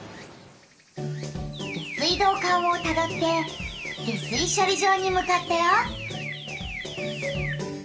下水道管をたどって下水しょり場にむかったよ。